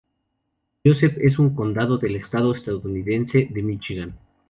Joseph, es un condado del estado estadounidense de Míchigan.